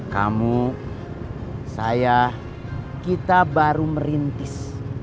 kamu saya kita baru merintis